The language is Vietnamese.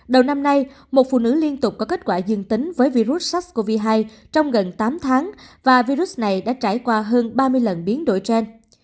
đầu năm nay một phụ nữ liên tục có kết quả dương tính với virus sars cov hai trong gần tám tháng và virus này đã trải qua hơn ba mươi lần biến đổi gen